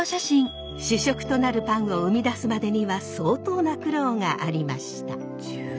主食となるパンを生み出すまでには相当な苦労がありました。